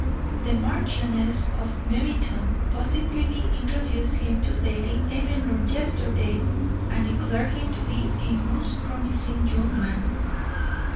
The Marchioness of Meriton positively introduced him to Lady Eleanor yesterday, and declared him to be a 'most promising young man!'"